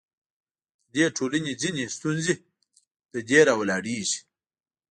د دې ټولنو ځینې ستونزې له دې راولاړېږي.